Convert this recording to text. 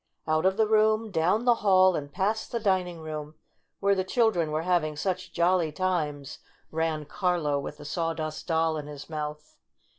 Out of the room, down the hall and past the dining room where the children were having such jolly times ran Carlo with the Sawdust Doll in his mouth.